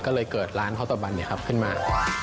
ก็เลยเกิดร้านข้อตบันนี้ครับขึ้นมา